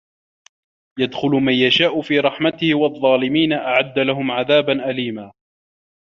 يُدخِلُ مَن يَشاءُ في رَحمَتِهِ وَالظّالِمينَ أَعَدَّ لَهُم عَذابًا أَليمًا